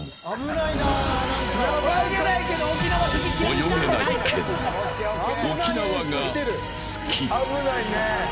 泳げないけど、沖縄が好き。